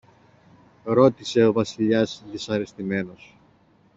ρώτησε ο Βασιλιάς δυσαρεστημένος.